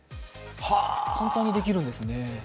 簡単にできるんですね。